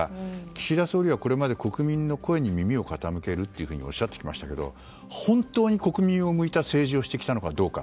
岸田総理はこれまで国民の声に耳を傾けるとおっしゃってきましたけど本当に国民に向いた政治をしてきたのかどうか。